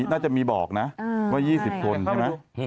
น่าจะมีบอกนะว่า๒๐คนใช่ไหม